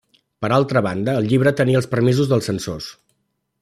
Per altra banda el llibre tenia els permisos dels censors.